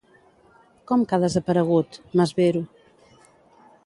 Com que ha desaparegut? —m'esvero.